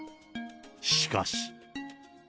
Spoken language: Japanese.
しかし。